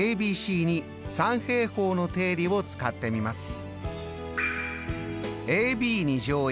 ＡＢＣに三平方の定理を使ってみます。